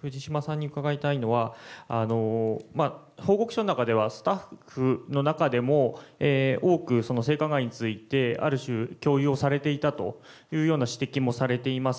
藤島さんに伺いたいのは、報告書の中ではスタッフの中でも多くその性加害についてある種、共有をされていたという指摘もされています。